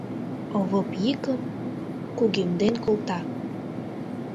— Овоп йӱкым кугемден колта.